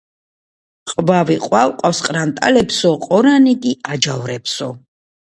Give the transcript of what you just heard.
.ყვავი ყვა-ყვას ყრანტალებსო, ყორანი კი აჯავრებსო.